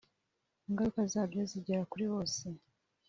ingaruka zabyo zigera kuri bose